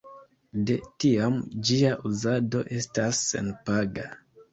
De tiam ĝia uzado estas senpaga.